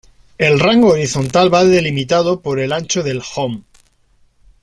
El rango horizontal va delimitado por el ancho del "home".